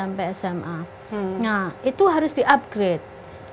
nah kalau itu di upgrade berarti kan harus di upgrade ya